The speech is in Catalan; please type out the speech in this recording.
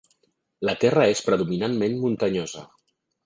La terra és predominantment muntanyosa.